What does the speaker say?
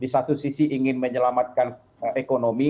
di satu sisi ingin menyelamatkan ekonomi